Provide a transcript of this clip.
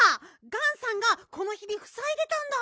ガンさんがこのひびふさいでたんだ！